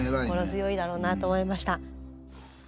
心強いだろうなと思いました。